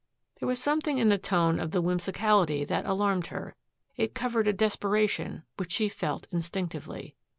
There was something in the tone of the whimsicality that alarmed her. It covered a desperation which she felt instinctively.